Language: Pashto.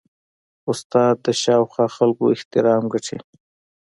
استاد د شاوخوا خلکو احترام ګټي.